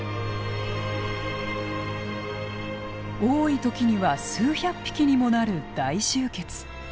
多い時には数百匹にもなる大集結。